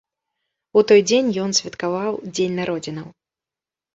У той дзень ён святкаваў дзень народзінаў.